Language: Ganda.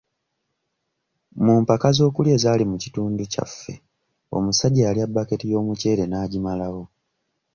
Mu mpaka z'okulya ezaali mu kitundu kyaffe omusajja yalya baketi y'omuceere n'agimalawo